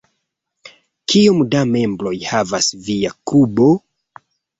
Kiom da membroj havas via klubo?